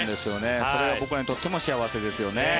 それは僕らにとっても幸せですよね。